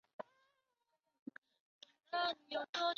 中华民国陆军上将。